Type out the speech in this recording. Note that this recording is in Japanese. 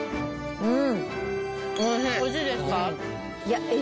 うん。